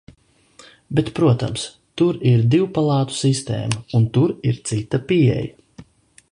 Bet, protams, tur ir divpalātu sistēma, un tur ir cita pieeja.